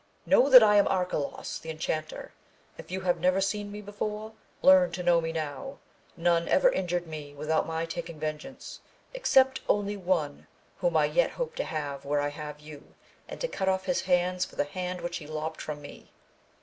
Know that I am Arcalaus the Enchanter, if you have never seen me before, learn to know me nowj none ever injured me without my taking vengeance, except only one, whom I yet hope to have where I have you, and to cut oflF his hands for the hand which he lopt from me.